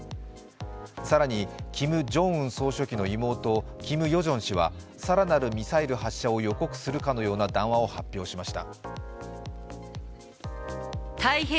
更に、キム・ジョンウン総書記の妹、キム・ヨジョン氏は更なるミサイル発射を予告するかのような談話を発表しました。